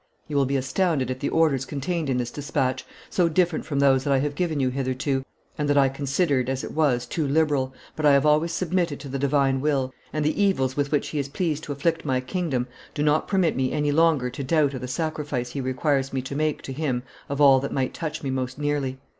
You will be astounded at the orders contained in this despatch, so different from those that I have given you hitherto, and that I considered, as it was, too liberal, but I have always submitted to the divine will, and the evils with which He is pleased to afflict my kingdom do not permit me any longer to doubt of the sacrifice He requires me to make to Him of all that might touch me most nearly.